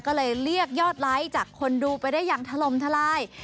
ก็เลยเรียกยอดไลค์จากคนดูไปได้อย่างถล่มทลาย